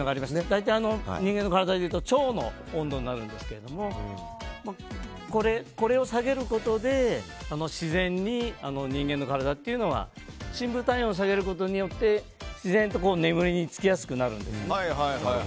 大体、人間の体で言うと腸の温度になるんですけれどもこれを下げることで自然に人間の体というのは深部体温を下げることによって自然と眠りにつきやすくなるんです。